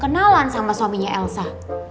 aku juga belum kenalan sama suaminya elsa